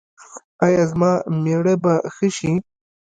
ایا زما میړه به ښه شي؟